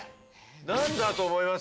何だと思います？